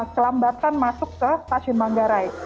kelambatan masuk ke stasiun manggarai